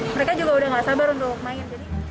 mereka juga udah gak sabar untuk main